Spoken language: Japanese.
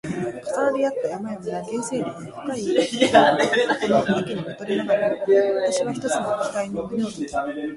重なり合った山々や原生林や深い渓谷の秋に見とれながらも、わたしは一つの期待に胸をとき